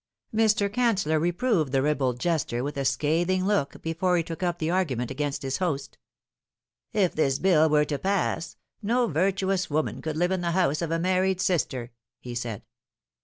Mr. Canceller reproved the ribald jester with a scathing look before he took up the argument against his host. "If this Bill were to pass, no virtuous woman could live in the house of a married sister," he said.